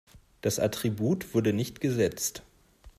Das Attribut wurde nicht gesetzt.